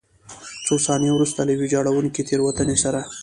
څو ثانیې وروسته له یوې ویجاړوونکې تېروتنې سره.